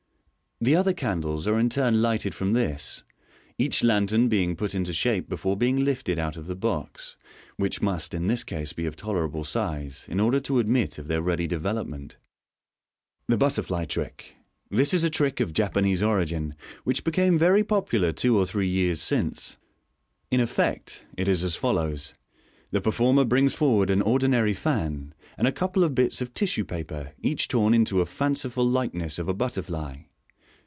The other candles are in turn lighted from this, each lantern being put into shape before being lifted out of the box, which must in this case be of tolerable size, in order to admit of their ready development. Fig. 231. Fig. 232. The Butterfly Trick. — This is a trick of Japanese origin, which became very popular two or three years since. In effect it is as follows :— The performer brings forward an ordinary fan, and a couple of bits of tissue paper, each torn into a fanciful likeness of a butterfly.